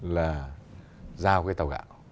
là giao cái tàu gạo